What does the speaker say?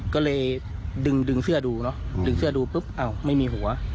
ก็เลยดึงเสื้อดูดึงเสื้อดูปุ๊ปไม่มีหัว